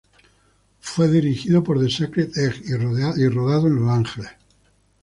Fue dirigido por The Sacred Egg y rodado en Los Angeles.